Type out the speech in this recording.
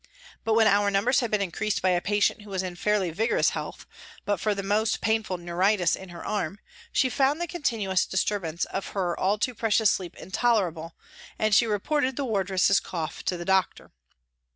But when our numbers had been increased by a patient who was in fairly vigorous health but for the most painful neuritis in her arm, she found the continuous dis turbance of her all too precious sleep intolerable and she reported the wardress's cough to the doctor.